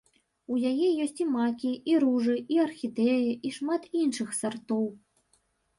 У яе ёсць і макі, і ружы, і архідэі, і шмат іншых сартоў.